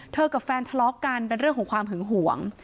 กับแฟนทะเลาะกันเป็นเรื่องของความหึงหวง